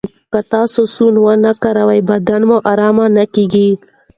که تاسو سونا ونه کاروئ، بدن مو ارام نه کېږي.